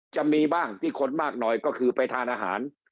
จะมีบ้างที่คนมากหน่อยก็คือไปทานอาหาร